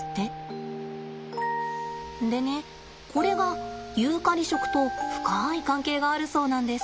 でねこれがユーカリ食と深い関係があるそうなんです。